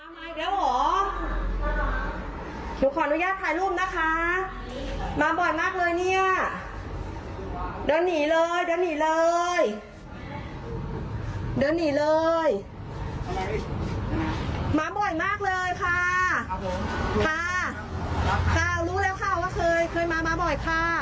มาบ่อยค่ะมาบ่อยค่ะเนี่ย